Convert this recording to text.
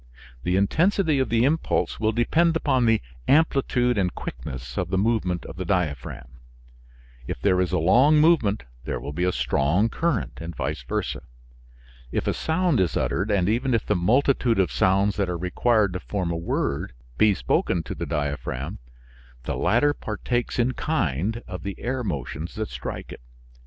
The intensity of the impulse will depend upon the amplitude and quickness of the movement of the diaphragm. If there is a long movement there will be a strong current and vice versa. If a sound is uttered, and even if the multitude of sounds that are required to form a word, be spoken to the diaphragm, the latter partakes in kind of the air motions that strike it.